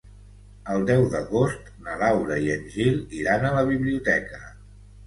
El deu d'agost na Laura i en Gil iran a la biblioteca.